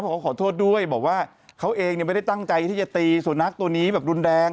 เพราะเขาขอโทษด้วยบอกว่าเขาเองเนี่ยไม่ได้ตั้งใจที่จะตีสุนัขตัวนี้แบบดุลแดง